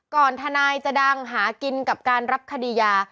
ทนายจะดังหากินกับการรับคดียา